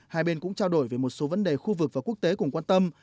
hai bên cũng trao đổi về một số vấn đề khu vực và quốc tế cùng quan tâm